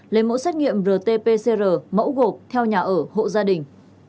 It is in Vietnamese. lấy mẫu xét nghiệm rt pcr mẫu gộp theo nhà ở hộ gia đình